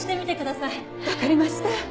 わかりました。